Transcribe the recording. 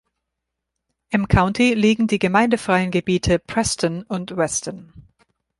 Im County liegen die gemeindefreien Gebiete Preston und Weston.